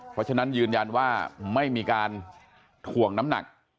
เพราะฉะนั้นยืนยันว่าไม่มีการถ่วงน้ำหนัก